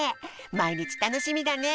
まいにちたのしみだね！